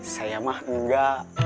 saya mah engga